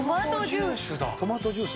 トマトジュース。